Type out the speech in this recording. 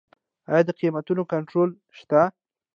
آیا د قیمتونو کنټرول شته؟